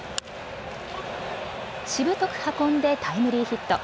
しぶとく運んでタイムリーヒット。